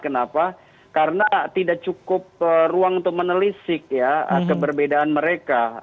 kenapa karena tidak cukup ruang untuk menelisik ya keberbedaan mereka